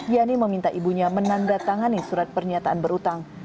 yani meminta ibunya menandatangani surat pernyataan berutang